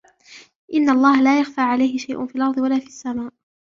إِنَّ اللَّهَ لَا يَخْفَى عَلَيْهِ شَيْءٌ فِي الْأَرْضِ وَلَا فِي السَّمَاءِ